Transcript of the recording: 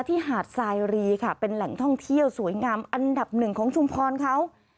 หาดสายรีค่ะเป็นแหล่งท่องเที่ยวสวยงามอันดับหนึ่งของชุมพรเขา